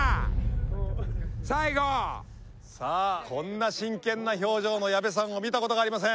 さあこんな真剣な表情の矢部さんを見た事がありません。